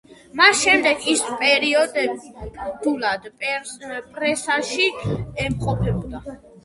მას შემდეგ ის პერიოდულად პრესაში იმყოფებოდა.